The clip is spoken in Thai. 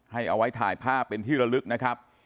เอาไว้ถ่ายภาพเป็นที่ระลึกนะครับ